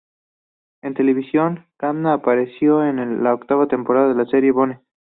En televisión, Knapp apareció en la octava temporada de la serie "Bones".